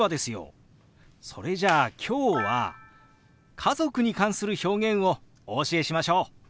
それじゃあ今日は家族に関する表現をお教えしましょう！